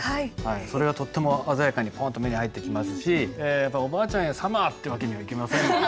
それがとっても鮮やかにポンと目に入ってきますしおばあちゃんへ「ＳＵＭＭＥＲ」って訳にはいきませんもんね。